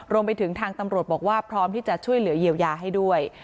รวมไปถึงทางตำรวจบอกว่าพร้อมที่จะช่วยเหลือเยียวยาให้ด้วย